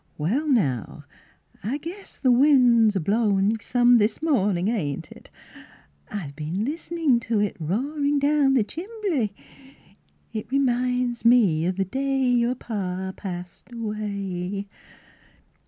" Well now, I guess the wind's a blowin' some this mornin', ain't it? I've been listenin' to it roarin' dow^n the chimbly. It reminds me of the day your pa passed away."